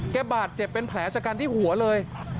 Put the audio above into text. บาดเจ็บเป็นแผลชะกันที่หัวเลย